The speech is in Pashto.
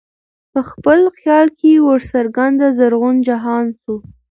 په خپل خیال کي ورڅرګند زرغون جهان سو